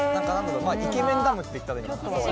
イケメンダムって言ったらいいのかな。